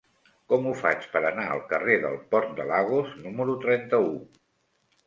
Com ho faig per anar al carrer del Port de Lagos número trenta-u?